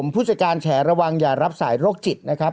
ผู้จัดการแฉระวังอย่ารับสายโรคจิตนะครับ